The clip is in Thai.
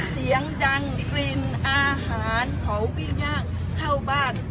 เสียงดังกลิ่นอาหารเผาปิ้งย่างเข้าบ้าน